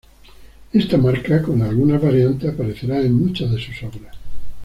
Esta marca, con algunas variantes, aparecerá en muchas de sus obras.